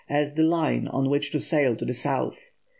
as the line on which to sail to the south.